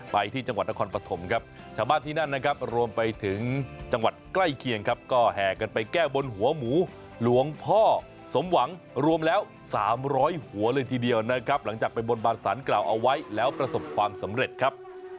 ไปที่จังหวัดนครปฐมครับชาวบ้านที่นั่นนะครับรวมไปถึงจังหวัดใกล้เคียงครับก็แห่กันไปแก้บนหัวหมูหลวงพ่อสมหวังรวมแล้ว๓๐๐หัวเลยทีเดียวนะครับหลังจากไปบนบานสารกล่าวเอาไว้แล้วประสบความสำเร็จครับ